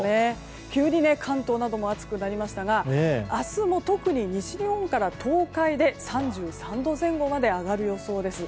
急に関東なども暑くなりましたが明日も特に西日本から東海で３３度前後まで上がる予想です。